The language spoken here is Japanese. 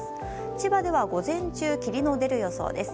千葉では午前中霧の出る予想です。